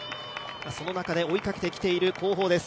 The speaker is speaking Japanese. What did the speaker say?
その中で追いかけてきている後方です。